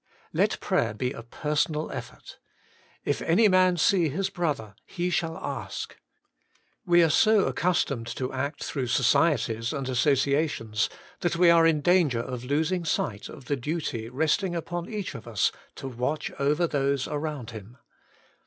Let prayer be a personal eifort. If any man sec his brother he shall ask. ' We are so accustomed to act through societies and associations that we are in danger of losing sight of the duty resting upon each of us to watch over those around him.